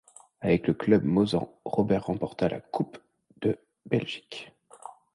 Avec le club mosans, Robert remporta la Coupe de Belgique.